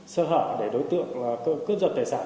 sơ hở để đối tượng cướp dọt tài sản